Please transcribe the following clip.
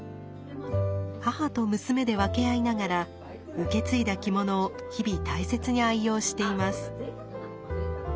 母と娘で分け合いながら受け継いだ着物を日々大切に愛用しています。